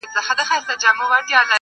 • له حملو د ګیدړانو د لېوانو -